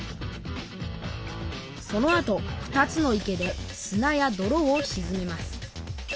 そのあと２つの池ですなやどろをしずめます。